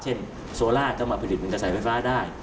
โซล่าก็มาผลิตเป็นกระแสไฟฟ้าได้